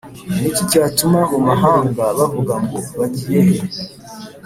Ni iki cyatuma mu mahanga bavuga ngo: bagiyehe